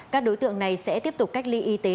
các đối tượng này sẽ tiếp tục cách ly y tế